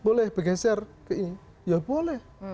boleh bergeser ke ini ya boleh